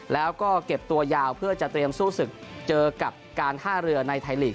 แล้วก็เก็บตัวยาวเพื่อจะเตรียมสู้ศึกเจอกับการท่าเรือในไทยลีก